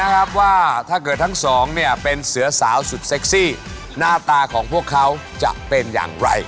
ครับว่าถ้าเกิดทั้งสองเนี่ยเป็นเสือสาวสุดเซ็กซี่หน้าตาของพวกเขาจะเป็นอย่างไร